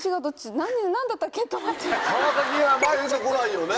川崎が前出てこないよね。